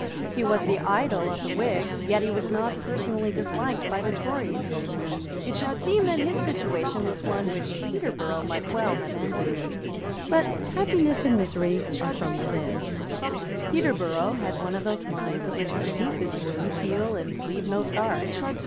He was the idol of the Whigs; yet he was not personally disliked by the Tories. It should seem that his situation was one which Peterborough might well have envied. But happiness and misery are from within. Peterborough had one of those minds of which the deepest wounds heal and leave no scar.